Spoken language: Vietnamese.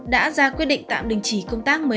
đã ra quyết định tạm đình chỉ công tác